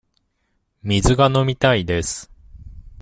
水が飲みたいです。